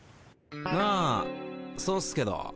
あそうっすけど。